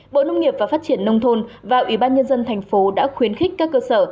bộ nông nghiệp và phát triển nông thôn và ủy ban nhân dân thành phố đã khuyến khích các cơ sở